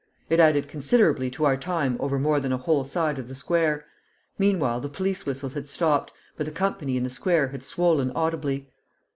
It added considerably to our time over more than a whole side of the square. Meanwhile the police whistles had stopped, but the company in the square had swollen audibly.